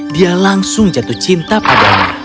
dia langsung jatuh cinta padanya